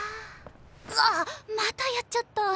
うわっまたやっちゃった！